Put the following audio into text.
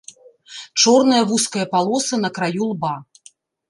Чорная вузкая палоса на краю лба.